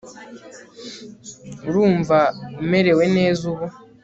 Urumva umerewe neza ubu